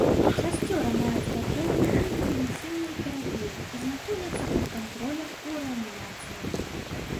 Шасцёра маюць патрэбу ў інтэнсіўнай тэрапіі і знаходзяцца пад кантролем у рэанімацыі.